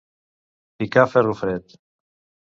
Picar ferro fred.